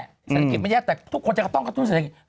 เศรษฐกิจมันแย่แต่ทุกคนจะต้องกระตุ้นเศรษฐกิจ